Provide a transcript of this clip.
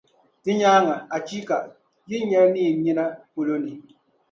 Di nyaaŋa, achiika! Yi ni nya li ni yi nina, polo ni.